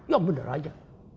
ya benar aja